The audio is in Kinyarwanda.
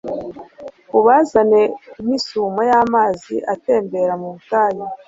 ubazane nk’isumo y’amazi atembera mu butayu